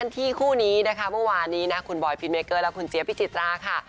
ที่คู่นี้นะคะเมื่อวานนี้นะคุณบอยพินเมเกอร์และคุณเจี๊ยพิจิตราค่ะ